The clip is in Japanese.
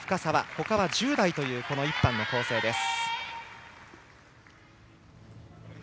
他は１０代という１班の構成です。